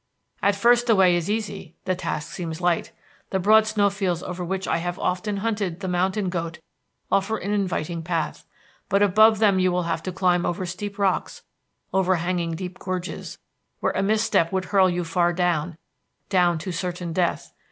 "At first the way is easy, the task seems light. The broad snow fields over which I have often hunted the mountain goat offer an inviting path. But above them you will have to climb over steep rocks overhanging deep gorges, where a misstep would hurl you far down down to certain death.